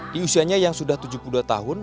di usianya yang sudah tujuh puluh dua tahun